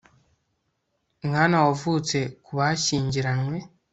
mwana wavutse ku bashyingiranywe